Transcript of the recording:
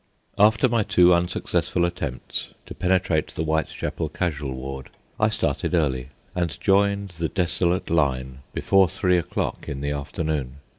After my two unsuccessful attempts to penetrate the Whitechapel casual ward, I started early, and joined the desolate line before three o'clock in the afternoon.